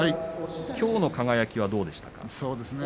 きょうの輝はどうでしたか？